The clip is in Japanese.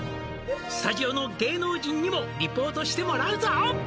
「スタジオの芸能人にもリポートしてもらうぞ！」